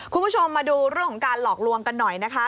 คุณผู้ชมมาดูเรื่องของการหลอกลวงกันหน่อยนะคะ